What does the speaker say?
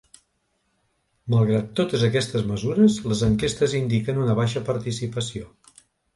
Malgrat totes aquestes mesures, les enquestes indiquen una baixa participació.